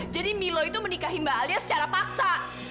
jadi milo itu menikahi mbak alia secara paksa